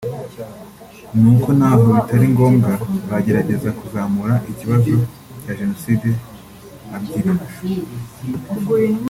ni uko n’aho bitari ngombwa bagerageza kuzamura ikibazo cya Jenoside abyiri